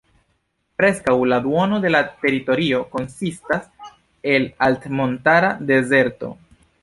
Preskaŭ la duono de la teritorio konsistas el altmontara dezerto.